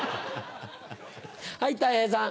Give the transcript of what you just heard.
はいたい平さん。